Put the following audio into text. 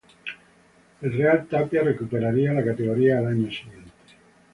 El Real Tapia recuperaría la categoría al año siguiente.